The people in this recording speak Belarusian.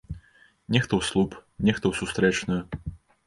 Нехта ў слуп, нехта у сустрэчную.